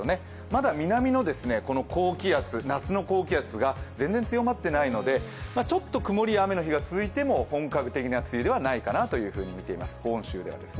まだ南の高気圧、夏の高気圧が全然強まっていないのでちょっとくもり、雨の日が続いても本格的な梅雨ではないかなと見ています、本州では。